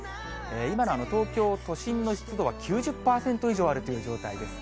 今の東京都心の湿度は９０％以上あるという状態です。